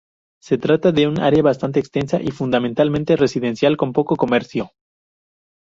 Se trata de un área bastante extensa y fundamentalmente residencial con poco comercio.